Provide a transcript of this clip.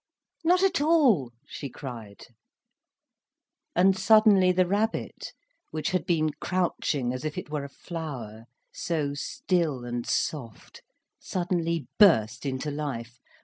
"Not at all," she cried. And suddenly the rabbit, which had been crouching as if it were a flower, so still and soft, suddenly burst into life.